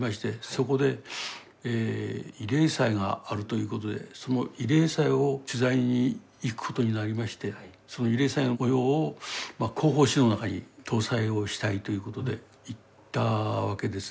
そこで慰霊祭があるということでその慰霊祭を取材に行くことになりましてその慰霊祭の模様を広報誌の中に登載をしたいということで行ったわけですね。